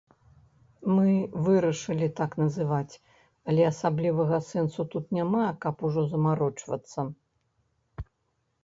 Мы вырашылі так назваць, але асаблівага сэнсу тут няма, каб ужо замарочвацца.